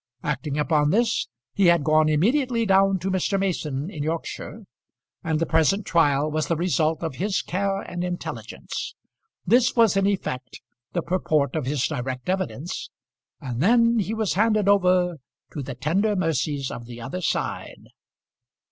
Acting upon this he had gone immediately down to Mr. Mason in Yorkshire, and the present trial was the result of his care and intelligence. This was in effect the purport of his direct evidence, and then he was handed over to the tender mercies of the other side.